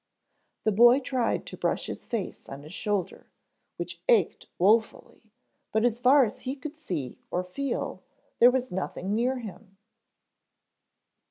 The boy tried to brush his face on his shoulder, which ached woefully but as far as he could see or feel there was nothing near him.